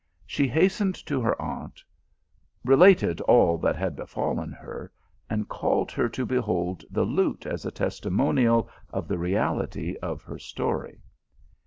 ! "She hastened to her aunt, related all that had be fallen her, and called her to behold the lute as a tes timonial of the reality of her story.